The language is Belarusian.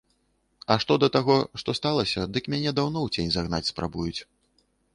А што да таго, што сталася, дык мяне даўно ў цень загнаць спрабуюць.